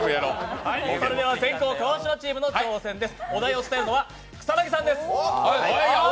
それでは先攻・川島チームからです。